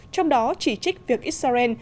trong đó chỉ trích việc israel